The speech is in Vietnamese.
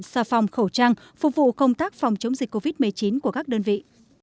xà phòng khẩu trang phục vụ công tác phòng chống dịch covid một mươi chín của các đơn vị